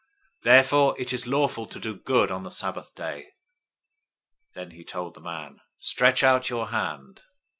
Therefore it is lawful to do good on the Sabbath day." 012:013 Then he told the man, "Stretch out your hand."